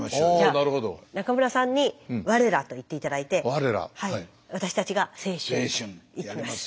中村さんに「われら」と言って頂いて私たちが「青春」いきます。